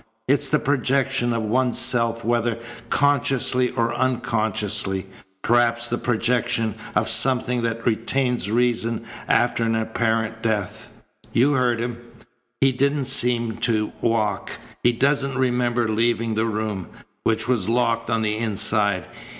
It's the projection of one's self whether consciously or unconsciously; perhaps the projection of something that retains reason after an apparent death. You heard him. He didn't seem to walk. He doesn't remember leaving the room, which was locked on the inside.